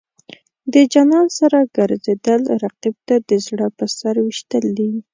د جانان سره ګرځېدل، رقیب ته د زړه په سر ویشتل دي.